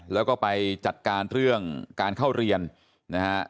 แล้วก็ไปจัดการเรื่องการเข้าเรียนนะฮะ